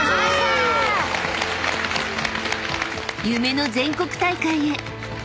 ［夢の全国大会へ］